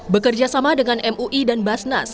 bekerjasama dengan mui dan basnas